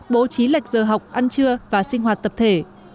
bố trí lệch giờ học ăn trưa và sinh hoạt tập thể